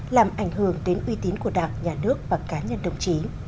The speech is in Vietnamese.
làm ảnh hưởng đến uy tín của đảng nhà nước và cá nhân đồng chí